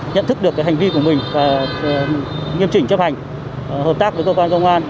nhận thức được hành vi của mình và nghiêm chỉnh chấp hành hợp tác với cơ quan công an